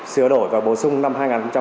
sửa đổi và bổ sung năm hai nghìn chín